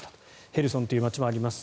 ヘルソンという街もあります。